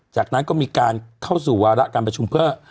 จากนั้นก็มีการเข้าสู่วาระการประชุมเพื่อ